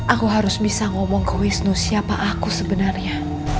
aku harus bisa ngomong ke wisnu siapa aku sebenarnya